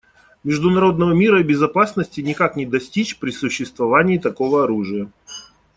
Международного мира и безопасности никак не достичь при существовании такого оружия.